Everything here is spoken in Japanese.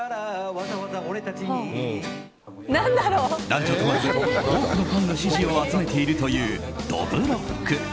男女問わず多くのファンの支持を集めているという、どぶろっく。